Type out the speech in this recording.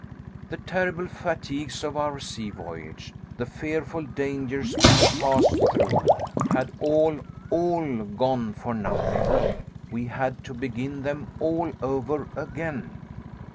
The terrible fatigues of our sea voyage, the fearful dangers we had passed through, had all, all, gone for nothing. We had to begin them all over again.